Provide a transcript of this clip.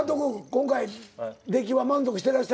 今回出来は満足してらっしゃるんですか？